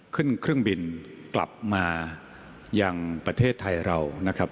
ขึ้นเครื่องบินกลับมายังประเทศไทยเรานะครับ